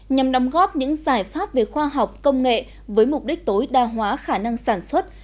nhằm đóng góp những giải pháp về khoa học công nghệ với mục đích tối đa hóa khả năng sản xuất